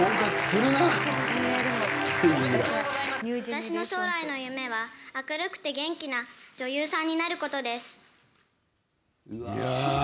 私の将来の夢は明るくて元気な女優さんになることです。